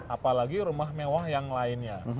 apalagi rumah mewah yang lainnya